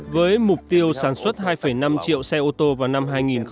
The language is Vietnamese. với mục tiêu sản xuất hai năm triệu xe ô tô vào năm hai nghìn hai mươi